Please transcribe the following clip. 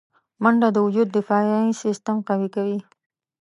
منډه د وجود دفاعي سیستم قوي کوي